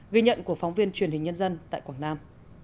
ghi nhận của phóng viên truyền hình nhân dân tại quảng nam